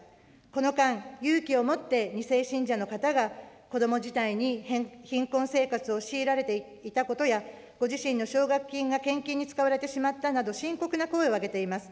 この間、勇気をもって二世信者の方が、子ども時代に貧困生活を強いられていたことや、ご自身の奨学金が献金に使われてしまったなど、深刻な声を上げています。